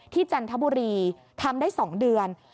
จันทบุรีทำได้๒เดือน